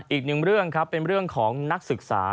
อีกหนึ่งเรื่องครับเป็นเรื่องของนักศึกษา